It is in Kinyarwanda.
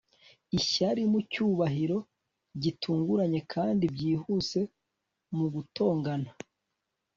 Ishyari mucyubahiro gitunguranye kandi byihuse mu gutongana